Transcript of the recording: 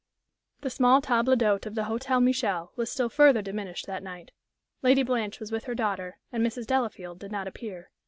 The small table d'hôte of the Hotel Michel was still further diminished that night. Lady Blanche was with her daughter, and Mrs. Delafield did not appear.